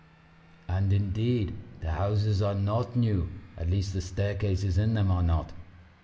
And, indeed, the houses are not new, at least the staircases in them are not.